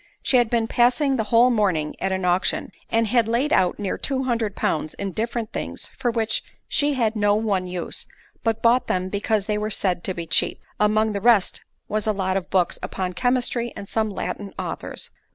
She had been passing the whole morning at an auction, and had laid out near two hundred pounds in different things for which she had no one use, but bought them because they were said to be cheap—among the rest was a lot of books upon chemistry, and some Latin authors.